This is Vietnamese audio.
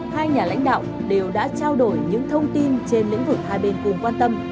hai nhà lãnh đạo đều đã trao đổi những thông tin trên lĩnh vực hai bên cùng quan tâm